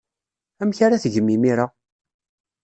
Amek ara tgem imir-a?